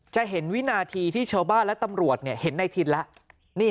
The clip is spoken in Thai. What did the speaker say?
จะเห็นวินาทีที่ชาวบ้านและตำรวจเห็นในทินแล้ว